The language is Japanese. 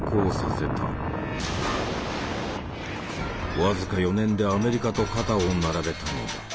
僅か４年でアメリカと肩を並べたのだ。